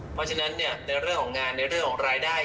เพราะฉะนั้นในเรื่องของงานในเรื่องของรายได้